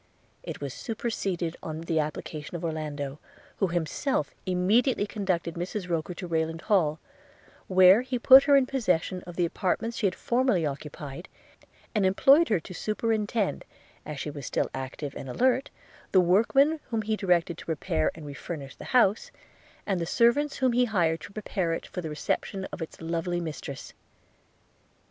It was superseded on the application of Orlando, who himself immediately conducted Mrs Rokcr to Rayland Hall; where he put her in possession of the apartments she had formerly occupied; and employed her to superintend, as she was still active and alert, the workmen whom he directed to repair and re furnish the house, and the servants whom he hired to prepare it for the reception of its lovely mistress.